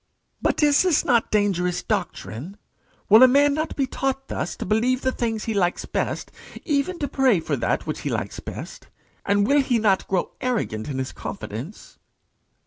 "But is not this dangerous doctrine? Will not a man be taught thus to believe the things he likes best, even to pray for that which he likes best? And will he not grow arrogant in his confidence?"